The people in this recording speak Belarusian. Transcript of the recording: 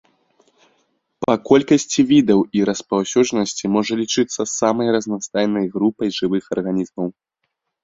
Па колькасці відаў і распаўсюджанасці можа лічыцца самай разнастайнай групай жывых арганізмаў.